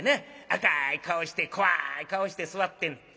赤い顔して怖い顔して座ってんねん。